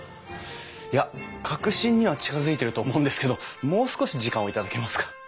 いや核心には近づいていると思うんですけどもう少し時間を頂けますか。